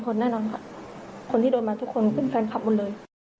คนแน่นอนค่ะคนที่โดนมาทุกคนเป็นแฟนคลับหมดเลย